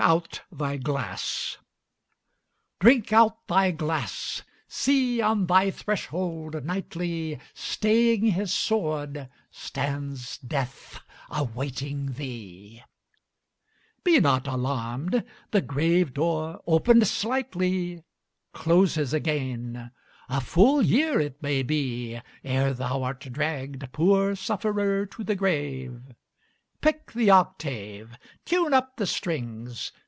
DRINK OUT THY GLASS Drink out thy glass! See, on thy threshold, nightly, Staying his sword, stands Death, awaiting thee. Be not alarmed; the grave door, opened slightly, Closes again; a full year it may be Ere thou art dragged, poor sufferer, to the grave. Pick the octave! Tune up the strings!